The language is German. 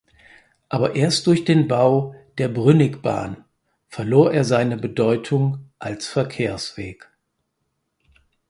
Aber erst durch den Bau der Brünigbahn verlor er seine Bedeutung als Verkehrsweg.